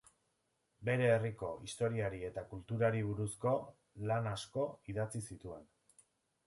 Bere herriko historiari eta kulturari buruzko lan asko idatzi zituen.